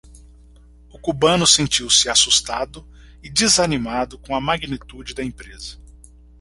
O cubano sentiu-se assustado e desanimado com a magnitude da empresa.